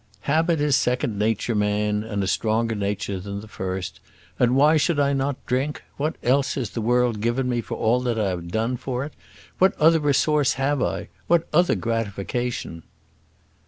"Habit is second nature, man; and a stronger nature than the first. And why should I not drink? What else has the world given me for all that I have done for it? What other resource have I? What other gratification?"